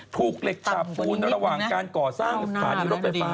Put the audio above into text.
ถูกเหล็กสาบปูนระหว่างการก่อสร้างสถานีรถไฟฟ้า